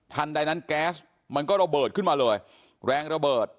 ใดนั้นแก๊สมันก็ระเบิดขึ้นมาเลยแรงระเบิด